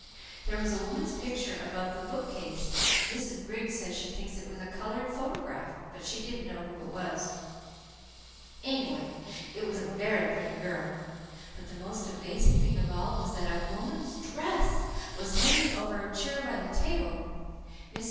There was a woman's picture above the bookcase. Mrs. Griggs says she thinks it was a coloured photograph, but she didn't know who it was. Anyway, it was a very pretty girl. But the most amazing thing of all was that A WOMAN'S DRESS was hanging over a chair by the table. Mrs.